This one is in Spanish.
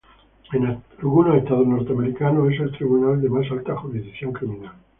En algunos estados norteamericanos, es el tribunal de más alta jurisdicción criminal.